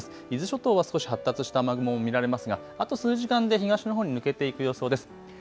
伊豆諸島は少し発達した雨雲も見られますがあと数時間で東のほうに抜けていく予想です。